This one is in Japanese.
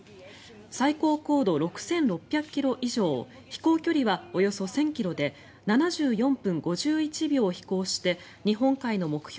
最高高度６６００ｋｍ以上飛行距離はおよそ１０００ｋｍで７４分５１秒飛行して日本海の目標